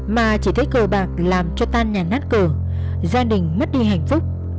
mà chỉ thấy cờ bạc làm cho tan nhà nát cửa gia đình mất đi hạnh phúc